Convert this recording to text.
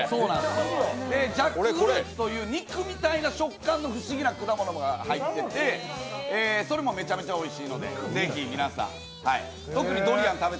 ジャックフルーツという肉みたいな食感の不思議な果物が入ってて、それもめちゃめちゃおいしいのでぜひ皆さん。